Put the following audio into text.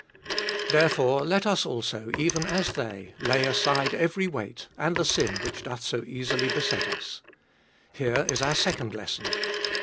Therefore let us also, even as they, lay aside every weight, and the sin which doth so easily beset us. Here is our second lesson.